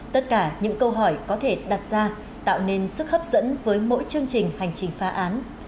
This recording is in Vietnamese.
tất cả những câu hỏi có thể đặt ra tạo nên sức hấp dẫn với mỗi chương trình hành trình phá án